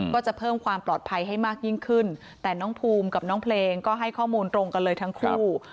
ก็จะเพิ่มความปลอดภัยให้มากยิ่งขึ้นแต่น้องภูมิกับน้องเพลงก็ให้ข้อมูลตรงกันเลยทั้งคู่